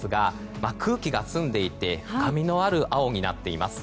空気が澄んでいて深みのある青になっています。